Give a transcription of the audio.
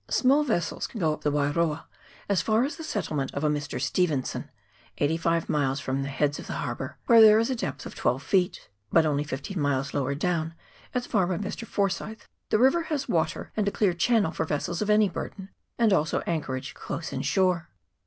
Small vessels can go up the Wairoa as far as the settlement of a Mr. Stephenson, eighty five miles from the heads of the harbour, where there is a depth of twelve feet ; but only fifteen miles lower down, at the farm of Mr. Forsyth, the river has water and a clear channel for vessels of any burden, and also anchorage close in shore.